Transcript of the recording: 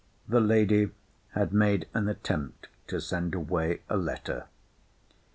* The lady had made an attempt to send away a letter.